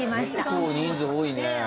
結構人数多いね。